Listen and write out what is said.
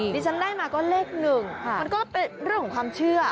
ดิฉันได้มาก็เลขหนึ่งมันก็เป็นเรื่องของความเชื่อ